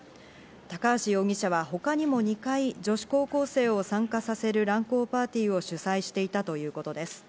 高橋容疑者は他にも２回、女子高校生を参加させる乱交パーティーを主催していたということです。